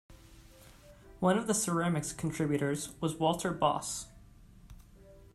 One of the ceramics contributors was Walter Bosse.